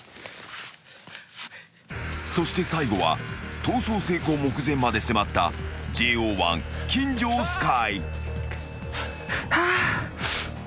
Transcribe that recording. ［そして最後は逃走成功目前まで迫ったＪＯ１金城碧海］